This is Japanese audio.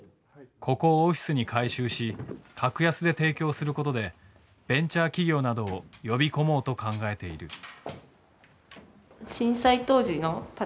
ここをオフィスに改修し格安で提供することでベンチャー企業などを呼び込もうと考えている。